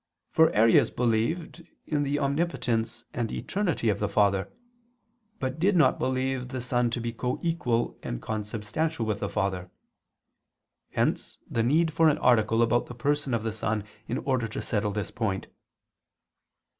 For Arius believed in the omnipotence and eternity of the Father, but did not believe the Son to be co equal and consubstantial with the Father; hence the need for an article about the Person of the Son in order to settle this point.